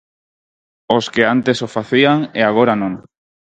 Os que antes o facían e agora non.